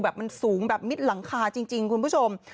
มันสูงแบบมิดหลังคาจริงคุณผู้ชม